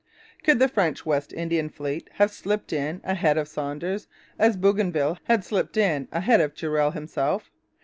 Could the French West Indian fleet have slipped in ahead of Saunders, as Bougainville had slipped in ahead of Durell himself?